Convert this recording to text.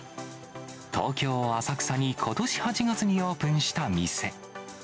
東京・浅草にことし８月にオープンした店。